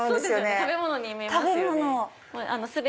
食べ物に見えますよね。